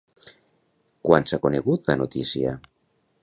Quan s'ha conegut la notícia?